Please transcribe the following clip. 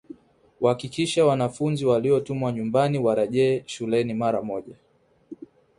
Wahakikishe wanafunzi waliotumwa nyumbani warejee shuleni mara moja